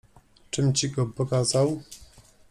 Czym ci go pokazał?